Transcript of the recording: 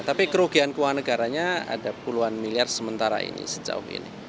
tapi kerugian keuangan negaranya ada puluhan miliar sementara ini sejauh ini